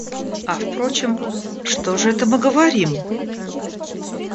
А впрочем, что же это мы говорим?